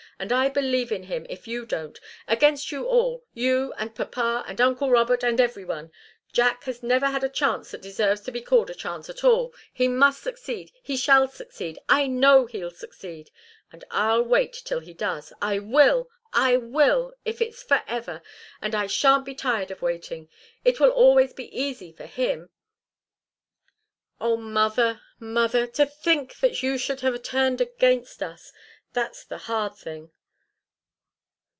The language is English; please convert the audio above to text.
And I believe in him, if you don't against you all, you and papa and uncle Robert and every one. Jack has never had a chance that deserves to be called a chance at all. He must succeed he shall succeed I know he'll succeed. And I'll wait till he does. I will I will if it's forever, and I shan't be tired of waiting it will always be easy, for him. Oh, mother, mother to think that you should have turned against us! That's the hard thing!"